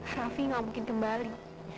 raffi gak mungkin kembali